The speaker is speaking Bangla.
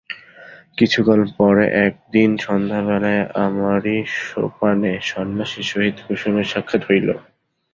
কিছুকাল পরে একদিন সন্ধ্যাবেলায় আমারই সোপানে সন্ন্যাসীর সহিত কুসুমের সাক্ষাৎ হইল।